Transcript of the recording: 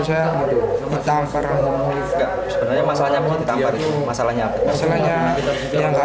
sebenarnya masalahnya apa